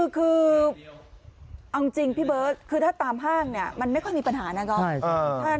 คือเอาจริงพี่เบิร์ตคือถ้าตามห้างเนี่ยมันไม่ค่อยมีปัญหานะครับ